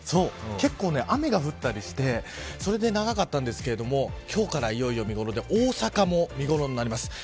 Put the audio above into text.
結構、雨が降ったりして長かったんですけど今日からいよいよ見頃で大阪も見頃になります。